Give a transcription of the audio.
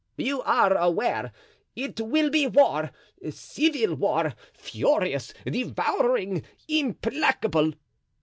"You are aware it will be war, civil war, furious, devouring, implacable?"